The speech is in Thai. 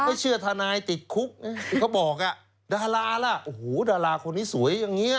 ไม่เชื่อทนายติดคุกเขาบอกอ่ะดาราล่ะโอ้โหดาราคนนี้สวยอย่างนี้